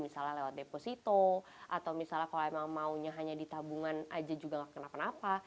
misalnya lewat deposito atau misalnya kalau emang maunya hanya ditabungan aja juga nggak kenapa kenapa